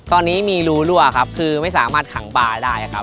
ตอนนี้มีรูรั่วครับคือไม่สามารถขังบาร์ได้ครับ